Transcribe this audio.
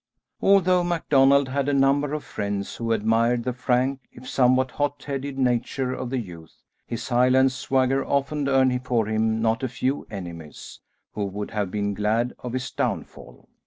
Although MacDonald had a number of friends who admired the frank, if somewhat hot headed nature of the youth, his Highland swagger often earned for him not a few enemies who would have been glad of his downfall.